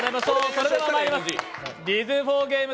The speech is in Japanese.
それではまいります、「リズム４ゲーム」